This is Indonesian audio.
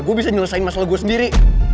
gue bisa nyelesain masalah gue sendiri